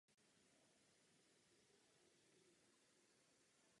To nikdo z nás nechce.